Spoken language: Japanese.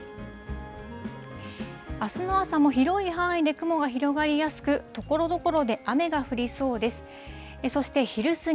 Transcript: あすの朝も広い範囲で雲が広がりやすく、ところどころで雨が降りそうです。